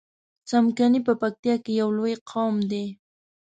څمکني په پکتیا کی یو لوی قوم دی